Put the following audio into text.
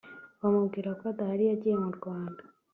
bamubwira ko adahari yagiye mu Rwanda